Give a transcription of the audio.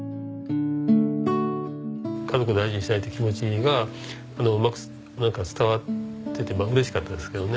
家族を大事にしたいっていう気持ちがうまく伝わっててまあ嬉しかったですけどね。